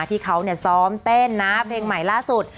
ที่เขาซ้อมเต้นนะเพลงใหม่ล่าสุด